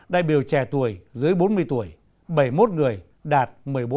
đại biểu trẻ tuổi dưới bốn mươi tuổi bảy mươi một người đạt một mươi bốn